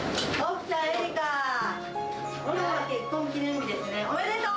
きょうは結婚記念日ですね、おめでとう！